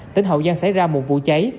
tỉnh hậu giang xảy ra một vụ cháy